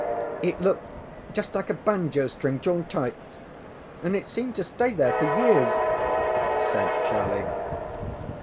ŌĆ£It looked just like a banjo string drawn tight, and it seemed to stay there for years, ŌĆØ said Charlie.